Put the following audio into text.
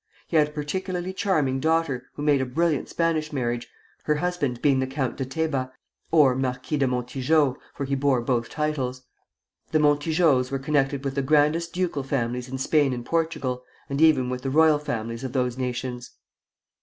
He had a particularly charming daughter, who made a brilliant Spanish marriage, her husband being the Count de Teba (or Marquis de Montijo, for he bore both titles). The Montijos were connected with the grandest ducal families in Spain and Portugal, and even with the royal families of those nations.